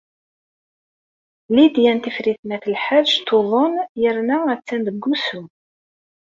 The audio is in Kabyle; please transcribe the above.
Lidya n Tifrit n At Lḥaǧ tuḍen yerna attan deg wusu.